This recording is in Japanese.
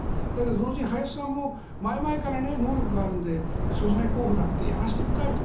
同時に林さんも前々から能力があるので総裁候補でやらせてみたいと。